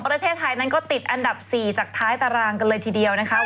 อันดับ๔จากท้ายตารางนะคะ